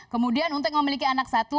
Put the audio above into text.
kemudian untuk memiliki anak satu